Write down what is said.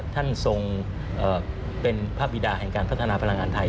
ท่านทรงเป็นภาพบิดาแห่งการพัฒนาพลังงานไทย